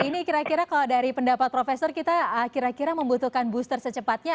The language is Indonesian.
ini kira kira kalau dari pendapat profesor kita kira kira membutuhkan booster secepatnya